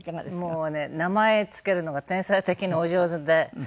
もうね名前付けるのが天才的にお上手で。